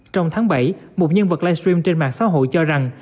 trong tháng bảy một nhân vật live stream trên mạng xã hội cho rằng